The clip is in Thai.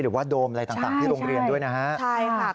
หรือว่าโดมอะไรต่างที่โรงเรียนด้วยนะฮะใช่ค่ะใช่